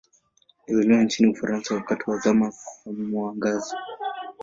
Alizaliwa nchini Ufaransa wakati wa Zama za Mwangaza.